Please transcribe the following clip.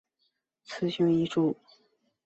雄雌异株。